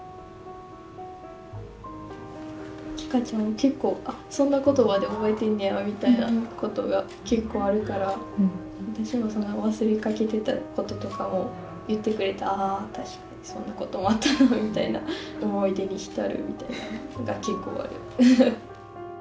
結構「あそんなことまで覚えてんにゃー」みたいなことが結構あるから私もそんな忘れかけてたこととかも言ってくれて「ああ確かにそんなこともあったな」みたいな思い出に浸るみたいなのが結構ある。